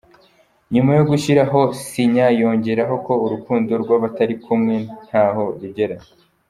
Nyuma yogushyiraho sinya yongeraho ko urukundo rw’abatari kumwe ntaho rugera.